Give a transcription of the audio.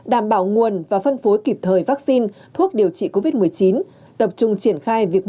đảm bảo nguồn và phân phối kịp thời vaccine thuốc điều trị covid một mươi chín tập trung triển khai việc